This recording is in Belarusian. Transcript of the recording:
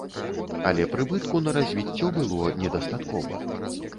Але прыбытку на развіццё было недастаткова.